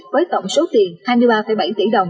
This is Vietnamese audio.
với tổng số tiền hai mươi ba bảy tỷ đồng